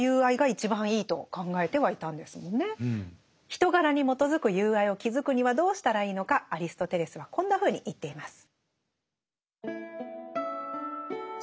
人柄に基づく友愛を築くにはどうしたらいいのかアリストテレスはこんなふうに言っています。